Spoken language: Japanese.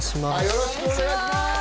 よろしくお願いします